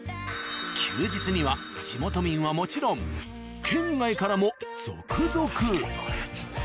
休日には地元民はもちろん県外からも続々。